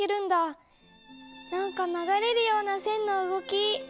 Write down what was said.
なんか流れるような線の動き。